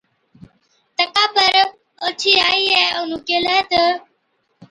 تڪا پر اوڇِي آئِيئَي اونهُون ڪيهلَي تہ،